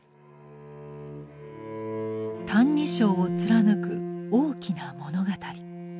「歎異抄」を貫く「大きな物語」。